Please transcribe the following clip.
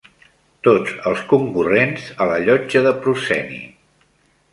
...tots els concurrents a la llotja de prosceni.